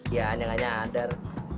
ya nggak nyadar